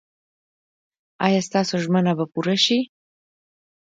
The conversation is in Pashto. ایا ستاسو ژمنه به پوره شي؟